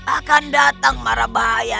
akan datang marah bahaya